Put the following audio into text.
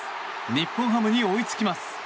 日本ハムに追いつきます。